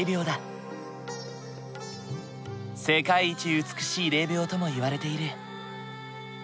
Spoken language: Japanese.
世界一美しい霊びょうともいわれている。